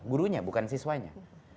gurunya bukan siswanya